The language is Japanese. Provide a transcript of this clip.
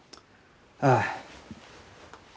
ああ。